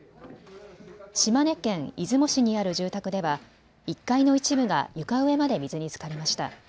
島根県出雲市にある住宅では１階の一部が床上まで水につかりました。